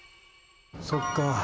そっか！